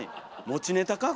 持ちネタか？